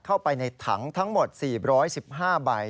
เข้าไปในถังทั้งหมด๔๑๕ใบ